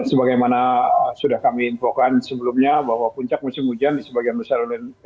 sebagaimana sudah kami infokan sebelumnya bahwa puncak musim hujan di sebagian besar